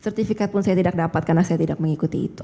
sertifikat pun saya tidak dapat karena saya tidak mengikuti itu